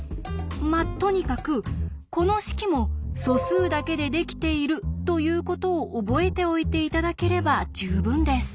まあとにかくこの式も素数だけでできているということを覚えておいて頂ければ十分です。